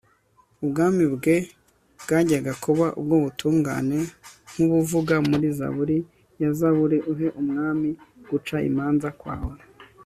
ubwami bwe bwajyaga kuba ubw'ubutungane nk'ubuvugwa muri zaburi ya zaburi uhe umwami guca imanza kwawe